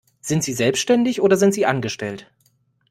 Sind Sie selbstständig oder sind Sie angestellt?